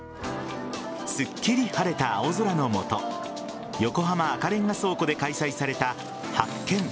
すっきり晴れた青空の下横浜・赤レンガ倉庫で開催された発見！